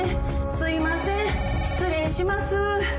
すいません失礼します。